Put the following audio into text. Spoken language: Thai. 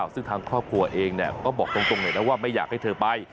ซึ่งทางครอบครัวเองก็บอกตรงเลยนะว่าไม่อยากให้เธอไป